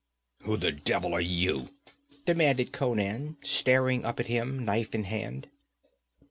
'Who the devil are you?' demanded Conan, staring up at him, knife in hand.